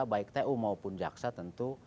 baik tu maupun jaksa tentu